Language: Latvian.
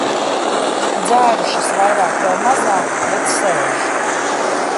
Dzērušas vairāk vai mazāk, bet sēž.